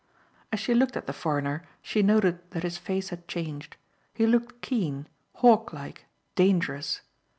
As she looked at the foreigner she noted that his face had changed. He looked keen, hawklike, dangerous.